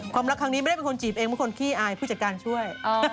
รักครั้งนี้ไม่ได้เป็นคนจีบเองเป็นคนขี้อายผู้จัดการช่วย